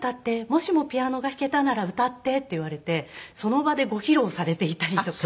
「『もしもピアノが弾けたなら』歌って」って言われてその場でご披露されていたりとか。